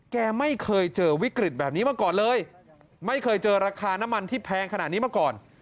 แกไม่เคยเจอวิกฤตแบบนี้มาก่อนเลยไม่เคยเจอราคาน้ำมันที่แพงขนาดนี้มาก่อน